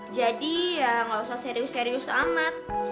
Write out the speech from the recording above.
jadi ya gak usah serius serius amat